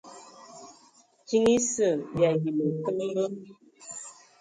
Kiŋ esə y ayi nkəmbə.